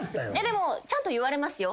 でもちゃんと言われますよ。